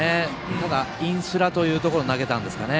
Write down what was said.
ただ、インスラというところに投げたんですかね。